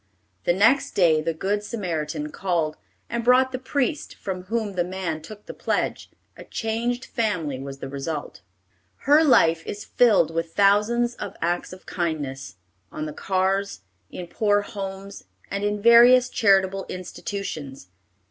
The next day the good Samaritan called, and brought the priest, from whom the man took the pledge. A changed family was the result. Her life is filled with thousands of acts of kindness, on the cars, in poor homes, and in various charitable institutions.